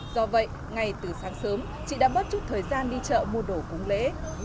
do vậy ngày từ sáng sớm chị đã bớt chút thời gian đi chợ mua đổ cúng lễ